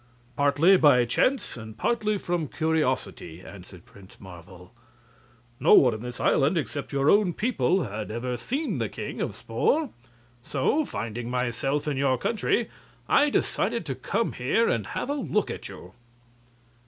"Partly by chance and partly from curiosity," answered Prince Marvel. "No one in this island, except your own people, had ever seen the king of Spor; so, finding myself in your country, I decided to come here and have a look at you."